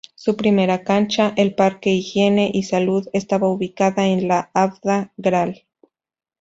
Su primera cancha, el Parque Higiene y Salud, estaba ubicada en la Avda. Gral.